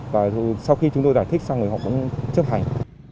và sau khi chúng tôi đã thích xong thì họ cũng chấp hành